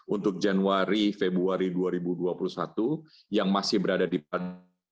untuk januari februari dua ribu dua puluh satu yang masih berada di